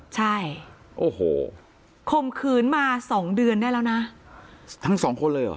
ใช่โอ้โหข่มขืนมาสองเดือนได้แล้วนะทั้งสองคนเลยเหรอ